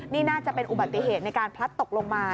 นี่น่าจะเป็นอุบัติเหตุในการพลัดตกลงมา